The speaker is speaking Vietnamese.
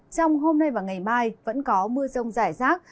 trong hôm nay và ngày mai vẫn có mưa rông rải rác